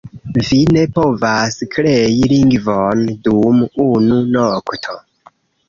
Vi ne povas krei lingvon dum unu nokto.